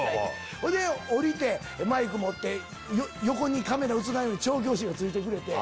ほいで降りてマイク持って横にカメラ映らんように調教師がついてくれて。